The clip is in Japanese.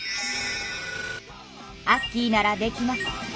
アッキーならできます。